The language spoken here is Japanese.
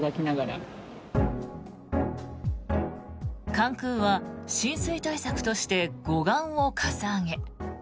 関空は浸水対策として護岸をかさ上げ。